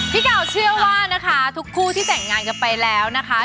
พี่กาวเชื่อว่านะคะทุกคู่ที่แต่งงานกันไปแล้วนะคะ